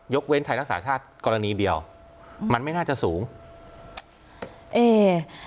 เว้นไทยรักษาชาติกรณีเดียวมันไม่น่าจะสูงเอ